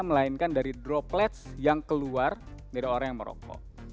melainkan dari droplets yang keluar dari orang yang merokok